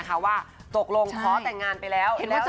เห็นว่าจะไปแต่งงานของสวีเดนด้วย